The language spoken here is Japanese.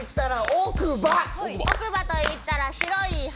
奥歯といったら白い歯。